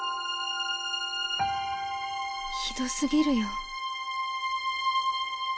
ひどすぎるよ。